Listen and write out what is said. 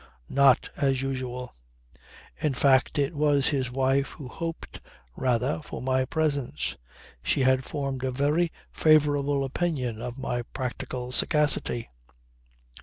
Not as usual. In fact it was his wife who hoped, rather, for my presence. She had formed a very favourable opinion of my practical sagacity.